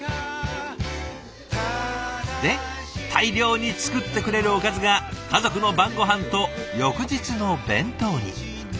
で大量に作ってくれるおかずが家族の晩ごはんと翌日の弁当に。